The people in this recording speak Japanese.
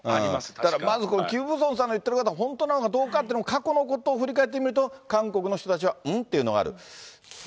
だからキム・ブソンさんが言ってることが本当なのかどうかというのも、過去のことを振り返ってみると、韓国の人たちはん？っていうのがある。